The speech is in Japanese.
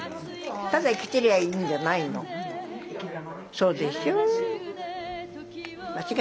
そうでしょう？